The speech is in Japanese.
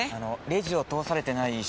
レジを通されてない商品。